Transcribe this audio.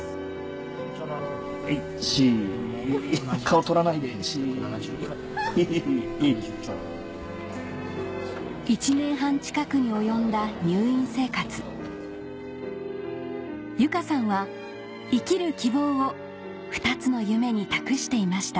・はい４・１年半近くに及んだ入院生活由佳さんは生きる希望を２つの夢に託していました